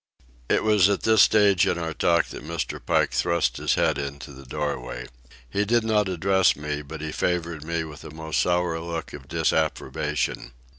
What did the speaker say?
It was at this stage in our talk that Mr. Pike thrust his head into the doorway. He did not address me, but he favoured me with a most sour look of disapprobation.